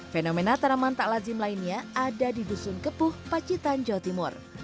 fenomena tanaman tak lazim lainnya ada di dusun kepuh pacitan jawa timur